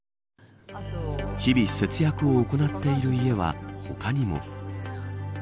日々、節約を行っている家は他にも。